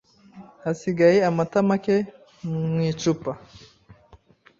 Hasigaye amata make mu icupa.